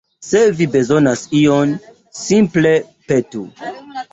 Se vi bezonas ion, simple petu.